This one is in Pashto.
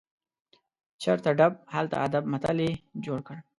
چیرته ډب، هلته ادب متل یې جوړ کړ.